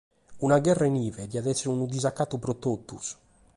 Una gherra in ie diat èssere unu disacatu pro totus.